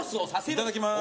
いただきます。